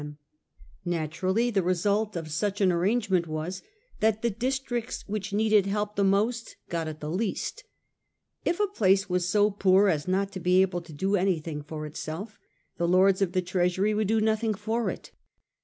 185 them. Naturally the result of such an arrangement was, that the districts which needed help the most got it the least. If a place was so poor as not to be able to do anything for itself, the Lords of the Trea sury would do nothing for it.